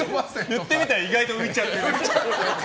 言ってみたら意外と浮いちゃって。